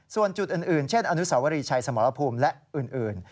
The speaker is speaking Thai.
ส่วนจุดอื่นเช่นอนุสาวรีชัยสมรภูมิและอื่น